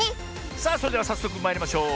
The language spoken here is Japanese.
さあそれではさっそくまいりましょう。